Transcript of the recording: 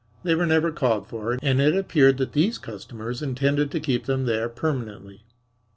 They were never called for, and it appeared that these customers intended to keep them there permanently.